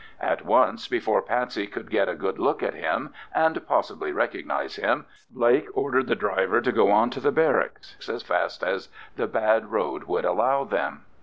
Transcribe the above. At once, before Patsey could get a good look at him and possibly recognise him, Blake ordered the driver to go on to the barracks as fast as the bad road would allow them.